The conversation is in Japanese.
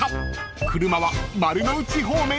［車は丸の内方面へ］